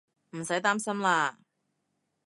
唔使擔心喇